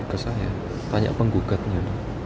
ke saya tanya penggugatnya